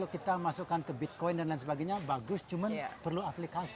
kita masukkan ke bitcoin dan lain sebagainya bagus cuman perlu aplikasi